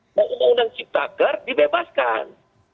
undang undang cipta ter dibebaskan